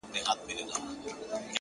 • هغې ويل په پوري هـديــره كي ښخ دى ـ